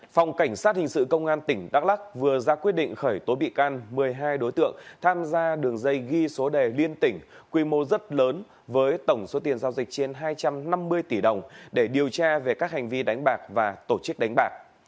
phòng cảnh sát hình sự công an tỉnh đắk lắc vừa ra quyết định khởi tố bị can một mươi hai đối tượng tham gia đường dây ghi số đề liên tỉnh quy mô rất lớn với tổng số tiền giao dịch trên hai trăm năm mươi tỷ đồng để điều tra về các hành vi đánh bạc và tổ chức đánh bạc